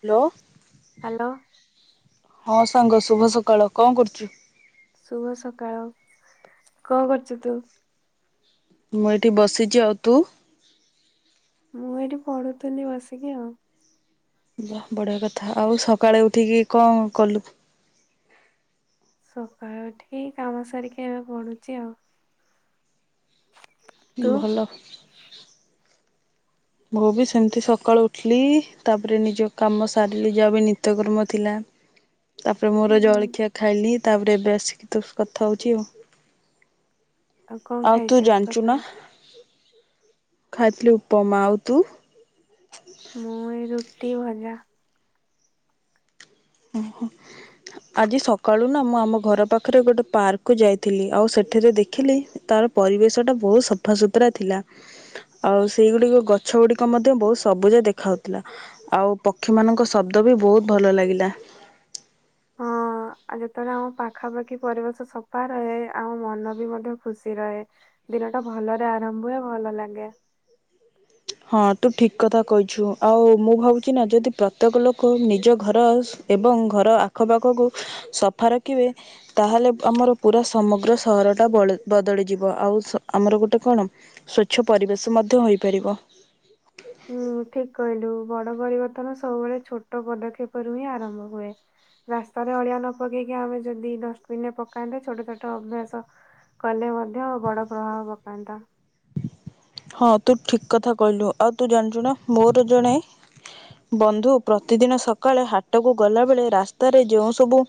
Hello. Hello. ହଁ ସାଙ୍ଗ ଶୁଭ ସକାଳ କଣ କରୁଛୁ? ଶୁଭ ସକାଳ। କଣ କରୁଛୁ ତୁ? ମୁଁ ଏଇଠି ବସିଛି। ଆଉ ତୁ? ମୁଁ ଏଇଠି ପଢୁଥିଲି ବସିକି ଆଉ। ବଢିଆ କଥା। ଆଉ ସକାଳେ ଉଠିକି କଣ କଲୁ? ସକାଳୁ ଉଠିକି କାମ ସାରିକି ଏବେ ପଢ଼ୁଛି ଆଉ। ତୁ? ହଁ ଭଲ। ମୁଁ ବି ସେମିତି ସକାଳୁ ଉଠିଲି ତାପରେ ନିଜ କାମ ସାରିଲି ଯାହା ବି ନିତ୍ୟକର୍ମ ଥିଲା। [inaudible] ତାପରେ ହୁଁ ମୋର ହୁଁ ଜଳଖିଆ ଖାଇଲିି ତାପରେ ଏବେ ଆସିକି ତ କଥା ହଉଛି ଆଉ। କଣ ଆଉ ତୁ ଖାଇଛୁ ଜାଣିଛୁ ନା ସକାଳେ? ଖାଇଥିଲି ଉପମା। ଆଉ ତୁ? ମୁଁ ଏ ରୁଟି ଭଜା। [inaudible] ଆଜି ସକାଳୁ ନା ମୁଁ ଆମ ଘର ପାଖରେ ଗୋଟେ ପାର୍କକୁ ଯାଇଥିଲି। ଆଉ ସେଠାରେ ଦେଖିଲି ତାର ପରିବେଶଟା ବହୁତ ସଫା ସୁୁତୁରା ଥିଲା। ଆଉ ସେଇଗୁଡ଼ିକ ଗଛ ଗୁଡ଼ିକ ମଧ୍ୟ ବହୁତ ସବୁଜ ଦେଖା ହଉଥିଲା। ଆଉ ପକ୍ଷୀମାନଙ୍କ ଶବ୍ଦ ବି ବହୁତ ଭଲ ଲାଗିଲା। ହଁ ଆଉ ଯେତେବେଳେ ଆମ ପାଖାପାଖି ପରିବେଶ ସଫା ରହେ ଆମ ମନ ବି ମଧ୍ୟ ଖୁସି ରହେ। ଦିନ ଟା ଭଲରେ ଆରମ୍ଭ ହୁଏ ଭଲ ଲାଗେ। ହଁ ତୁ ଠିକ କଥା କହିଛୁ ଆଉ ମୁଁ ଭାବୁଛି ନା ଯଦି ପ୍ରତ୍ୟେକ ଲୋକ ନିଜ ଘର ଆଉ ଏବଂ ଘର ଆଖପାଖକୁ ସଫା ରଖିବେ। ତାହେଲେ ଆମର ପୁରା ସମଗ୍ର ସହରଟା ବଳ ବଦଳିଯିବ ଆଉ ଆମର ଗୋଟେ କଣ? ସ୍ଵଚ୍ଛ ପରିବେଶ ମଧ୍ୟ ହୋଇପାରିବ। ହୁଁ ଠିକ କହିଲୁ ବଡ ପରିବର୍ତ୍ତନ ସବୁବେଳେ ଛୋଟ ପଦକ୍ଷେପରୁୁ ହିଁ ଆରମ୍ଭ ହୁଏ। ରାସ୍ତାରେ ଅଳିଆ ନ ପକେଇକି ଆମେ ଯଦି ଡଷ୍ଟବିନ ରେ ପକାନ୍ତେ ଛୋଟ ଛୋଟ ଅଭ୍ୟାସ କଲେ ମଧ୍ୟ ବଡ଼ ପ୍ରଭାବ ପକାନ୍ତା। ହଁ ତୁ ଠିକ କଥା କହିଲୁ। ଆଉ ତୁ ଜାଣିଛୁ ନା ମୋର ଜଣେ ବନ୍ଧୁ ପ୍ରତିଦିନ ସକାଳେ ହାଟକୁ ଗଲା ବେଳେ ରାସ୍ତାରେ ଯଉଁ ସବୁ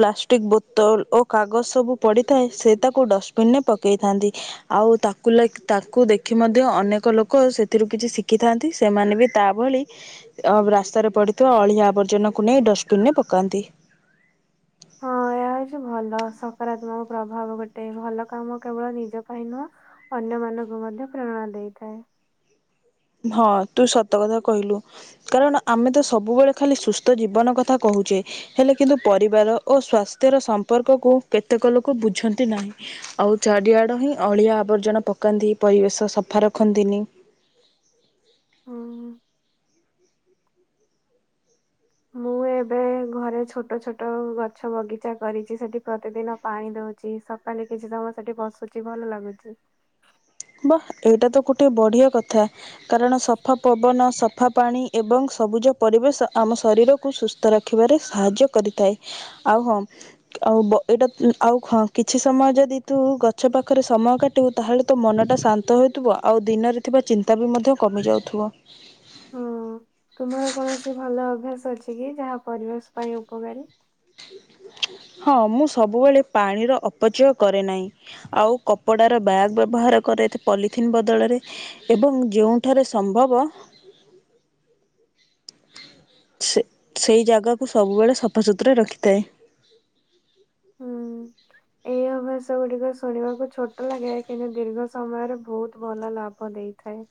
ପ୍ଲାଷ୍ଟିକ ବୋତଲ ଓ କାଗଜ ସବୁ ପଡିଥାଏ ସେ ତାକୁ ଡଷ୍ଟବିନ ରେ ପକେଇଥାନ୍ତି। ଆଉ ତାକୁ ଲାଗି ତାଙ୍କୁ ଦେ ଦେଖି ମଧ୍ୟ ଅନେକ ଲୋକ ସେଥିରୁ କିଛି ଶିଖିଥାନ୍ତି। ସେମାନେ ବି ତା ଭଳି ଅ ରାସ୍ତାରେ ପଡ଼ିଥିବା ଅଳିଆ ଆବର୍ଜନାକୁ ନେଇ ଡଷ୍ଟବିନ୍ ରେ ପକାନ୍ତି। ହଁ ଏହା ହୋଉଛି ଭଲ ସକାରାତ୍ମକ ପ୍ରଭାବ ଗୋଟେ ଭଲ କାମ କେବଳ ନିଜ ପାଇଁ ନୁହଁ ଅନ୍ୟ ମାନଙ୍କୁ ମଧ୍ୟ ପ୍ରେରଣା ଦେଇଥାଏ। ହଁ ତୁ ସତ କଥା କହିଲୁ। କାରଣ ଆମେ ତ ସବୁବେଳେ ଖାଲି ସୁସ୍ଥ ଜୀବନ କଥା କହୁଛେ। ହେଲେ କିନ୍ତୁ ପରିବାର ଓ ସ୍ଵାସ୍ଥ୍ୟର ସମ୍ପର୍କକୁ କେତେକ ଲୋକ ବୁଝନ୍ତି ନାହିଁ। ଆଉ ଚାରିଆଡ଼ ହିଁ ଅଳିଆ ଆବର୍ଜନା ପକାନ୍ତି ପରିବେଶ ସଫା ରଖନ୍ତିନି। ହୁଁ। ମୁଁ ଏବେ ଘରେ ଛୋଟ ଛୋଟ ଗଛ ବଗିଚା କରିଛି। ସେଠି ପ୍ରତିଦିନ ପାଣି ଦୋଉଛି ସକ୍ ଖାଲି କିଛି ସମୟ ସେଠି ବସୁଛି ଭଲ ଲାଗୁଛି। ବା ଏଇଟା ତ ଗୋଟେ ବଢିଆ କଥା। କାରଣ ସଫା ପବନ ସଫା ପାଣି ଏବଂ ସବୁଜ ପରିବେଶ ଆମ ଶରୀରକୁ ସୁସ୍ଥ ସ୍ଥ ରଖିବାରେ ସାହାଯ୍ୟ କରିଥାଏ। ଆଉ ହଁ ଆଉ ବ ଏଇଟା ଆଉ କିଛି ସମୟ ଯଦି ତୁ ଗଛ ପାଖରେ ସମୟ କାଟିବୁ ତାହେଲେ ତୋ ମନ ଟା ଶାନ୍ତ ହେଉଥିବ ଆଉ ଦିନରେ ଥିବା ଚିନ୍ତା ବି ମଧ୍ୟ କମି ଯାଉଥିବ। ହଁ ତୁମର କୌଣସି ଭଲ ଅଭ୍ୟାସ ଅଛି କି ଯାହା ପରିବେଶ ପାଇଁ ଉପକାରୀ? ହଁ ମୁଁ ସବୁବେଳେ ପାଣିର ଅପଚୟ କରେ ନାହିଁ। ଆଉ କପଡ଼ାର ବ୍ୟାଗ୍ ବ୍ୟବହାର କରେ ଏ ପଲିଥିନ୍ ବଦଳରେ। ଏବଂ ଯେଉଁଠାରେ ସମ୍ଭବ ସେ ସେହି ଜାଗାକୁ ସବୁବେଳେ ସଫାସୁତୁରା ରଖିଥାଏ। ହୁଁ। ଏହି ଅଭ୍ୟାସଗୁଡିକ ଶୁଣିବାକୁ ଛୋଟ ଲାଗେ। କିନ୍ତୁ ଦୀର୍ଘ ସମୟରେ ବହୁତ ଭଲ ଲାଭ ଦେଇଥାଏ।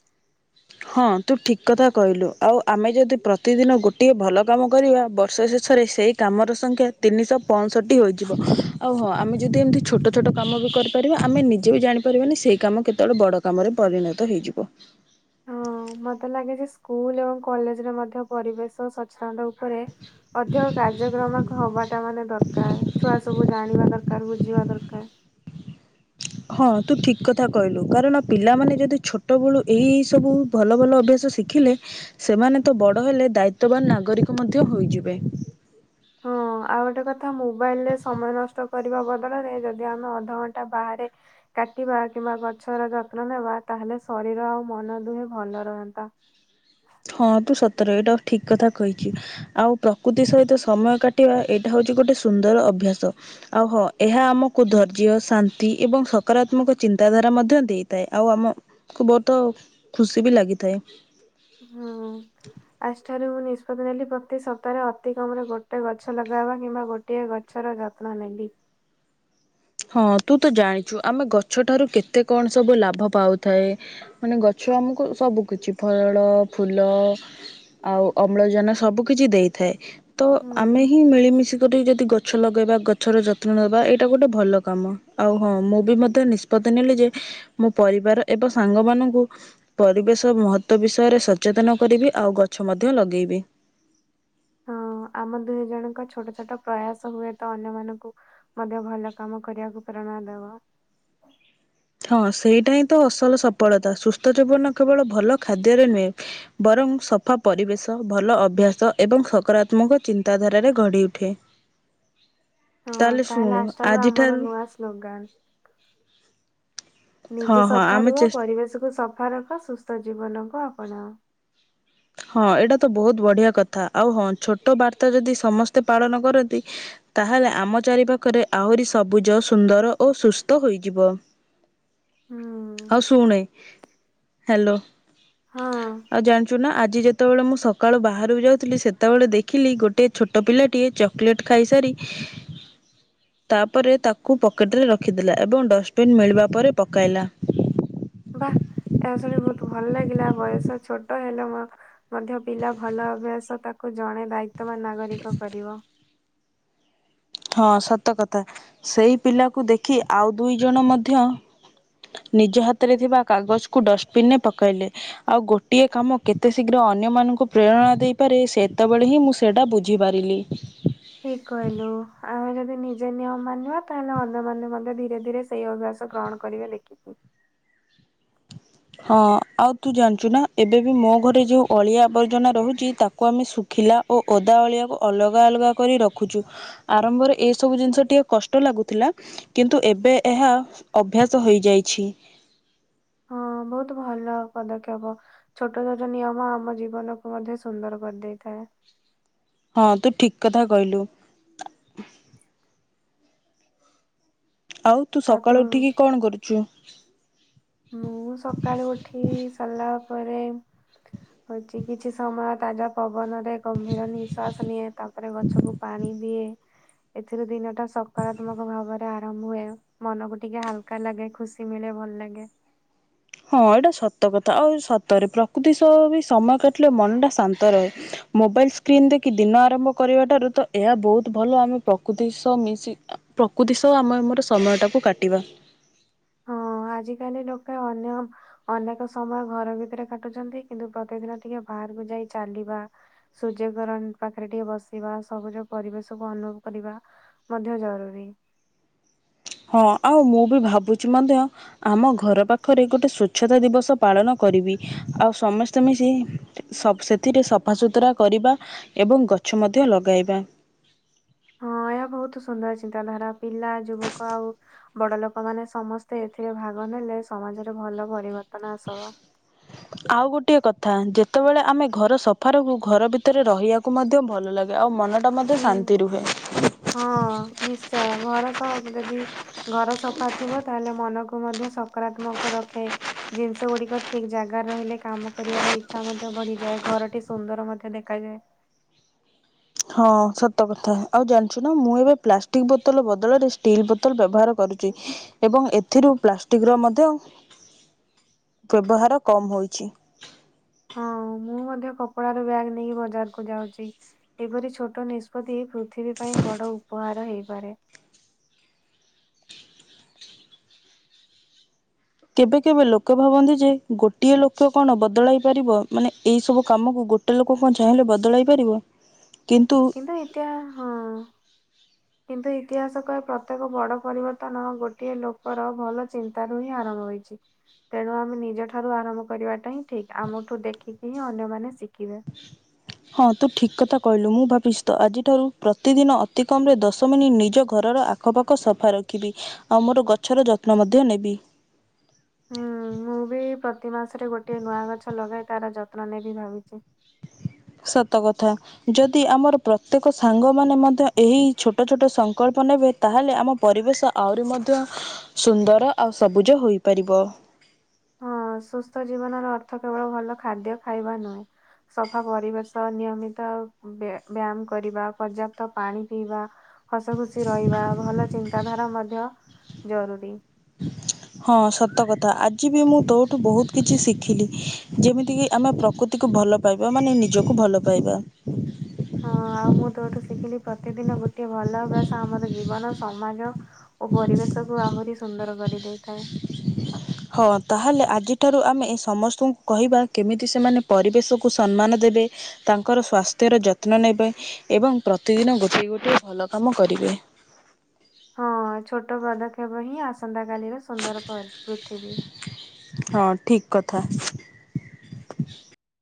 ହଁ ତୁ ଠିକ କଥା କହିଲୁ ଆଉ ଆମେ ଯଦି ପ୍ରତିଦିନ ଗୋଟିଏ ଭଲ କାମ କରିବା ବର୍ଷ ଶେଷ ସରେ ସେହି କାମର ସଂଖ୍ୟା ତିନିଶହ ପଞ୍ଚଷଠି ହୋଇଯିବ। ଆଉ ହଁ ଆମେ ଯଦି ଏମିତି ଛୋଟ ଛୋଟ କାମ ବି କରି ରିବ ଆମେ ନିଜେ ବି ଜାଣିପାରିବାନି ସେଇ କାମ କେତେବେଳେ ବଡ କାମରେ ପରିଣତ ହେଇଯିବ। ହଁ ମତେ ଲାଗେ ଯେ ସ୍କୁଲ ଏବଂ କଲେଜରେ ମଧ୍ୟ ପରିବେଶ ସଚ୍ଛଳନ ଉପରେ ଅଧିକ କାର୍ଯ୍ୟକ୍ରମ ହବାଟା ମାନେ ଦରକାର। ଛୁଆ ସବୁ ଜାଣିବା ଦରକାର ବୁଝିବା ଦରକାର। ହଁ ତୁ ଠିକ୍ କଥା କହିଲୁ। କାରଣ ପିଲାମାନେ ଯଦି ଛୋଟବେଳୁ ଏଇ ସବୁ ଭଲ ଭଲ ଅଭ୍ୟାସ ଶିଖିଲେ ସେମାନେ ତ ବଡ଼ ହେଲେ ଦାୟିତ୍ୱବାନ ନାଗରିକ ମଧ୍ୟ ହୋଇଯିବେ। ହଁ। ଆଉ ଗୋଟେ କଥା ମୋବାଇଲରେ ସମୟ ନଷ୍ଟ କରିବା ବଦଳରେ ଯଦି ଆମେ ଅଧଘଣ୍ଟା ବାହାରେ କାଟିବା କିମ୍ବା ଗଛର ଯତ୍ନ ନେବା ତାହେଲେ ଶରୀର ଆଉ ମନ ଦୁହେଁ ଭଲ ରହନ୍ତା। ହଁ ତୁ ସତରେ ଏଟା ଠିକ କଥା କହିଛୁ। ଆଉ ପ୍ରକୃତି ସହିତ ସମୟ କାଟିବା ଏଇଟା ହଉଛି ଗୋଟେ ସୁନ୍ଦର ଅଭ୍ୟାସ। ଆଉ ହଁ ଏହା ଆମକୁ ଧୈର୍ଯ୍ୟ, ଶାନ୍ତି ଏବଂ ସକାରାତ୍ମକ ଚିନ୍ତାଧାରା ମଧ୍ୟ ଦେଇଥାଏ। ଆଉ ଆମ କୁ ବହୁତ ଖୁସି ବି ଲାଗିଥାଏ। ହୁଁ। ଆଜି ଠାରୁ ମୁଁ ନିଷ୍ପତ୍ତି ନେଲି ପ୍ରତି ସପ୍ତାହରେ ଅତି କମରେ ଗୋଟେ ଗଛ ଲଗେଇବା କିମ୍ବା ଗୋ ଟିଏ ଗଛର ଯତ୍ନ ନେବି। ହଁ ତୁ ତ ଜାଣିଛୁ ଆମେ ଗଛଠାରୁ କେତେ କଣ ସବୁ ଲାଭ ପାଉଥାଏ। ମାନେ ଗଛ ଆମକୁ ସବୁ କିଛି ଫଳ, ଫୁଲ ଆଉ ଅମ୍ଳଜାନ ସବୁ କିଛି ଦେଇଥାଏ। ତ ହୁଁ। ଆମେ ହିଁ ମିଳିମିଶି କରିି ଯଦି ଗଛ ଲଗେଇବା ଗଛର ଯତ୍ନ ନବା ଏଇଟା ଗୋଟେ ଭଲ କାମ। ଆଉ ହଁ ମୁଁ ବି ମଧ୍ୟ ନିଷ୍ପତ୍ତି ନେଲି ଯେ ମୋ ପରିବାର ଏବଂ ସାଙ୍ଗ ମାନଙ୍କୁ ପରିବେଶ ମହତ୍ଵ ବିଷୟରେ ସଚେତନ କରିବି ଆଉ ଗଛ ମଧ୍ୟ ଲଗେଇବି। ହଁ ଆମ ଦୁହିଁ ଜଣଙ୍କ ଛୋଟ ଛୋଟ ପ୍ରୟାସ ହୁଏ ତ ଅନ୍ୟମାନଙ୍କୁ ମଧ୍ୟ ଭଲ କାମ କରିବାକୁ ପ୍ରେରଣା ଦେବ। ହଁ ସେଇଟା ହିଁ ତ ଅସଲ ସଫଳତା ସୁସ୍ଥ ଜୀବନ କେବଳ ଭଲ ଖାଦ୍ୟରେ ନୁହେଁ ବରଂ ସଫା ପରିବେଶ ଭଲ ଅଭ୍ୟାସ ଏବଂ ସକାରାତ୍ମକ ଚିନ୍ତାଧାରାରେ ଗଢି ଉଠେ। ହଁ ତାହେଲେ ଆଜିଠାରୁ ଆମର ନୂଆ ସ୍ଲୋଗାନ ହଁ ନିଜେ ହଁ ସଫା ଆମେ ରୁହ, ଚେଷ୍ଟା ପରିବେଶକୁୁ ସଫା ରଖ, ସୁସ୍ଥ ଜୀବନକୁ ଆପଣାଅ। ହଁ ଏଇଟା ତ ବହୁତ ବଢିଆ କଥା ଆଉ ହଁ ଛୋଟ ବାର୍ତା ଯଦି ସମସ୍ତେ ପାଳନ କରନ୍ତି ତାହେଲେ ଆମ ଚାରିପାଖରେ ଆହୁରି ସବୁଜ ସୁନ୍ଦର ଓ ସୁସ୍ଥ ହୋଇଯିବ। ହୁଁ ହୁଁ। ଶୁଣେ ହ୍ୟାଲୋ ହଁ ଆଉ ଜାଣି ଛୁନା, ଆଜି ଯେତେବେଳେ ମୁଁ ସକାଳୁ ବାହାରକୁ ଯାଉଥିଲି, ସେତେବେଳେ ଦେଖିଲି ଗୋଟିଏ ଛୋଟ ପିଲାଟିଏ ଚ କୋଲେଟ୍ ଖାଇସାରି [inaudible] ତାପରେ ତାକୁ ପକେଟରେ ରଖିଦେଲା ଏବଂ ଡଷ୍ଟବିନ୍ ମିଳିବା ପରେ ପକାଇଲା। ବା ଏହା ଶୁଣି ବହୁତ ଭଲ ଲାଗିଲା ବୟସ ଛୋଟ ହେଲେ ମ ମଧ୍ୟ ପିଲା ଭଲ ଅଭ୍ୟାସ ତାକୁ ଜଣେ ଦାୟିତ୍ଵବାନ ନାଗରିକ କରିବ। ହଁ, ସତ କଥା ସେଇ ପିଲାକୁ ଦେଖି ଆଉ ଦୁଇ ଜଣ ମଧ୍ୟ ନିଜ ହାତରେ ଥିବା କାଗଜକୁ ଡଷ୍ଟବିନରେ ପକାଇଲେ। ଆଉ ଗୋଟିଏ କାମ କେତେ ଶୀଘ୍ର ଅନ୍ୟମାନଙ୍କୁ ପ୍ରେରଣା ଦେଇପାରେ ସେତେବେଳେ ହିଁ ମୁଁ ସେଇଟା ବୁଝିପାରିଲି। ଠିକ କହିଲୁ। ଆମେ ଯଦି ନିଜେ ନିୟମ ମାନିବା ତାହେଲେ ଅନ୍ୟମାନେ ମଧ୍ୟ ଧୀରେ ଧୀରେ ସେଇ ଅଭ୍ୟାସ ଗ୍ରହଣ କରିବେ ଦେଖିବୁ। ହଁ ଆଉ ତୁ ଜାଣିଛୁ ନା ଏବେ ବି ମୋ ଘରେ ଯୋଉ ଅଳିଆ ଆବର୍ଜନା ରହୁଛି ତାକୁ ଆମେ ଶୁ ଖିଲା ଓ ଓଦା ଅଳିଆକୁ ଅଲଗା ଅଲଗା କରି ରଖୁଛୁ। ଆରମ୍ଭରେ ଏଇ ସବୁ ଜିନିଷ ଟିକେ କଷ୍ଟ ଲାଗୁଥିଲା କିନ୍ତୁ ଏବେ ଏହା ଅଭ୍ୟାସ ହେଇଯାଇଛି। ହଁ ବହୁତୁ ଭଲ ପଦକ୍ଷେପ। ଛୋଟ ଛୋଟ ନିୟମ ଆମ ଜୀବନକୁ ମଧ୍ୟ ସୁନ୍ଦର କରିଦେଇଥାଏ। ହଁ ତୁ ଠିକ କଥା କହିଲୁ। ଆଉ ତୁ ସକାଳୁ ଉଠିକି କଣ କରୁଛୁ? ମୁଁ ସକାଳୁ ଉଠି ସରିଲା ପରେ ହଉଛି କିଛି ସମୟ ତାଜା ପବନରେ ଗମ୍ଭୀର ନିଶ୍ୱାସ ନିଏ ତାପରେ ଗଛକୁ ପାଣି ଦିଏ ଏଥିରୁ ଦିନଟା ସକାରାତ୍ମକ ଭାବରେ ଆରମ୍ଭ ହୁଏ ମନକୁ ଟିକେ ହାଲ କା ଲାଗେ ଖୁସି ମିଳେ ଭଲ ଲାଗେ। ହଁ ଏଇଟା ସତ କଥା ଆଉ ସତରେ ପ୍ରକୃତି ସହ ବି ସମୟ କାଟିଲେ ମନଟା ଶାନ୍ତ ରହେ ମୋବାଇଲସ୍ ସ୍କ୍ରିନ୍ ଦେଖି ଦିନ ଆରମ୍ଭ କରିବା ଠାରୁ ତ ଏହା ବହୁତ ଭଲ ଆମେ ପ୍ରକୃତି ସହ ମିଶି ପ୍ରକୃତି ସହ ଆମେ ଆମର ସମୟଟାକୁ କାଟିବା। ହଁ ଆଜିକାଲି ଲୋକେ ଅନ୍ୟ ଅନେକ ସମୟ ଘର ଭିତରେ କାଟୁଛନ୍ତି କିନ୍ତୁ ପ୍ରତିଦିନ ଟିକେ ବାହାରକୁ ଯାଇ ଚାଲିବା ସୂର୍ଯ୍ୟକିରଣ ପାଖରେ ଟିକେ ବସିବା ସବୁଜ ପରିବେଶକୁ ଅନୁଭବ କରିବା ମଧ୍ୟ ଜରୁରୀ। ହଁ ଆଉ ମୁଁ ବି ଭାବୁଛି ମଧ୍ୟ ଆମ ଘର ପାଖରେ ଗୋଟେ ସ୍ଵଚ୍ଛତା ଦିବସ ପାଳନ କରିବି ଆଉ ସମସ୍ତେ ମିଶି ସବ ସେଥିରେ ସଫାସୁତୁରା କରିବା ଏବଂ ଗଛ ମଧ୍ୟ ଲଗାଇବା। ହଁ ଏହା ବହୁତ ସୁନ୍ଦର ଚିନ୍ତାଧାରା ପିଲା ଯୁବକ ଆଉ ବଡ ଲୋକମାନେ ସମସ୍ତେ ଏଥିରେ ଭାଗ ନେଲେ ସମାଜରେ ଭଲ ପରିବର୍ତ୍ତନ ଆସିବ। [unintelligible] ଆଉ ଗୋଟିଏ କଥା ଯେତେବେଳେ ଆମେ ଘର ସଫା ରଖୁ ଘର ଭିତରେ ରହିବାକୁ ମଧ୍ୟ ଭଲ ଲାଗେ ଆଉ ମନ ଟା ମଧ୍ୟ ହୁଁ। ଶାନ୍ତି ରୁହେ। ହଁ ନିଶ୍ଚୟ ଘର ସ ଯଦି ଘର ସଫା ଥିବ ତାହେଲେ ମନକୁ ମଧ୍ୟ ସକାରାତ୍ମକ ରଖେ। ଜିନିଷ ଗୁଡିକ ଠିକ ଜାଗାରେ ରହିଲେ କାମ କରିବାର ଇଚ୍ଛା ମଧ୍ୟ ବଢିଯାଏ ଘରଟି ସୁନ୍ଦର ମଧ୍ୟ ଦେଖାଯାଏ। ହଁ ସତ କଥା ଆଉ ଜାଣିଛୁ ନା ମୁଁ ଏବେ ପ୍ଲାଷ୍ଟିକ ବୋତଲ ବଦଳରେ ଷ୍ଟିଲ୍ ବୋତଲ ବ୍ୟବହାର କରୁଛି। ଏବଂ ଏଥିରୁ ପ୍ଲାଷ୍ଟିକ ର ମଧ୍ୟ ବ୍ୟବହାର କମ ହୋଇଛି। ହଁ ମୁଁ ମଧ୍ୟ କପଡାର ବ୍ୟାଗ ନେଇ ବଜାରକୁୁ ଯାଉଛି। ଏପରି ଛୋଟ ନିଷ୍ପତ୍ତି ପୃଥିବୀ ପାଇଁ ବଡ ଉପହାର ହେଇପାରେ। କେବେ କେବେ ଲୋକ ଭାବନ୍ତି ଯେ ଗୋଟିଏ ଲୋକ କଣ ବଦଳାଇ ପାରିବ? ମାନେ ଏଇ ସବୁ କାମକୁ ଗୋ ଗୋଟେ ଲୋକ କଣ ଚାହିଁଲେ ବଦଳାଇ ପାରିବ? କିନ୍ତୁ। କିନ୍ତୁ ଏତା ହଁ। କିନ୍ତୁ ଇତିହାସ କହେ ପ୍ରତ୍ୟେକ ବଡ ପରିବର୍ତ୍ତନ ଗୋଟିଏ ଲୋକର ଭଲ ଚିନ୍ତାରୁ ହିଁ ଆରମ୍ଭ ହୋଇଛି। ତେଣୁ ଆମେ ନିଜ ଠାରୁ ଆରମ୍ଭ କରିବାଟା ହିଁ ଠିକ ଆମଠୁ ଦେଖିକି ହିଁ ଅନ୍ୟମାନେ ଶିଖିବେ। ହଁ ତୁ ଠିକ୍ କଥା କହିଲୁ ମୁଁ ଭାବିଚି ତ ଆଜିଠାରୁ ପ୍ରତିଦିନ ଅତିକମ ରେ ଦଶ ମିନିଟ୍ ନିଜ ଘରର ଆ ଆଖପାଖ ସଫା ରଖିବି ଆଉ ମୋର ଗଛର ଯତ୍ନ ମଧ୍ୟ ନେବି। ହୁଁ ମୁଁ ବି ପ୍ରତି ମାସରେ ଗୋଟିଏ ନୂଆ ଗଛ ଲଗାଏ ତାର ଯତ୍ନ ନେବି ଭାବିଛି। ସତ କଥା। ଯଦି ଆମର ପ୍ରତ୍ୟେକ ସାଙ୍ଗମାନେ ମଧ୍ୟ ଏହି ଛୋଟ ଛୋଟ ସଂକଳ୍ପ ନେବେ। ତାହେଲେ ଆମ ପରିବେଶ ଆହୁରି ମଧ୍ୟ ସୁନ୍ଦର ଆଉ ସବୁଜ ହୋଇପାରିବ। ଅ ସୁସ୍ଥ ଜୀବନର ଅର୍ଥ କେବଳ ଭଲ ଖାଦ୍ୟ ଖାଇବା ନୁହେଁ। ସଫା ପରିବେଶ ନିୟମିତ ବ୍ୟ-ବ୍ୟାୟାମ କରିବା ପର୍ଯ୍ୟାପ୍ତ ପାଣି ପିଇବା। ହସ ଖୁସି ରହିବା ଭଲ ଚିନ୍ତାଧାରା ମଧ୍ୟ ଜରୁରୀ। ହଁ ସତକଥା ଆଜି ବି ମୁଁ ତୋଠୁ ବହୁତ କିଛି ଶିଖିଲି ଯେମିତିକି ଆମେ ପ୍ରକୃ ତିକୁ ଭଲ ପାଇବା ମାନେ ନିଜକୁ ଭଲ ପାଇବା। ହଁ ଆଉ ମୁଁ ତୋଠୁ ଶିଖିଲି ପ୍ରତିଦିନ ଗୋଟେ ଭଲ ଅଭ୍ୟାସ ଆମର ଜୀବନ ସମାଜ। ଓ ପରିବେଶକୁୁ ଆହୁରି ସୁନ୍ଦର କରି ଦେଇଥାଏ। ହଁ ତାହେଲେ ଆଜିଠାରୁ ଆମେ ଏ ସମସ୍ତଙ୍କୁ କହିବା କେମିତି ସେମାନେ ପରିବେଶକୁ ସନ୍ମାନ ଦେବେ। ତାଙ୍କର ସ୍ୱାସ୍ଥ୍ୟର ଯତ୍ନ ନେବେ ଏବଂ ପ୍ରତିଦିନ ଗୋଟିଏ ଗୋଟିଏ ଭଲ କାମ କରିବେ। ହଁ ଛୋଟ ପଦକ୍ଷେପ ହିଁ ଆସନ୍ତାକାଲିର ସୁନ୍ଦର ପ-ପୃଥିବୀ। ହଁ ଠିକ କଥା।